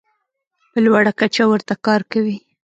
په لوړه کچه ورته کار کوي.